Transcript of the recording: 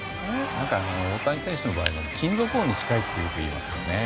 何か大谷選手の場合は金属音に近いってよくいいますよね。